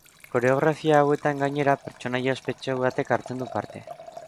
Koreografia hauetan gainera, pertsonaia ospetsu batek hartzen du parte.